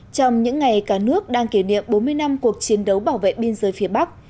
trong những ngày cả nước đang kỷ niệm bốn mươi năm cuộc chiến đấu bảo vệ biên giới phía bắc